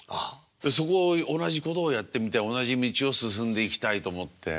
そこ同じことをやってみて同じ道を進んでいきたいと思って。